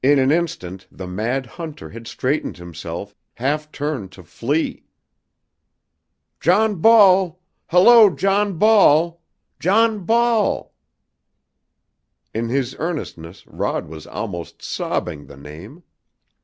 In an instant the mad hunter had straightened himself, half turned to flee. "John Ball! Hello, John Ball John Ball " In his earnestness Rod was almost sobbing the name.